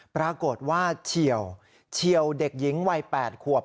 ปรากฏว่าเฉียวเด็กหญิงวัย๘ขวบ